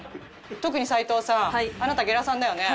特に齊藤さんあなたゲラさんだよね。